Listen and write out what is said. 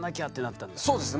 そうです。